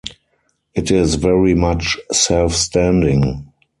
It is very much self-standing.